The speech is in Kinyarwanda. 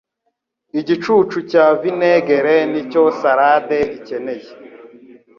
Igicucu cya vinegere nicyo salade ikeneye.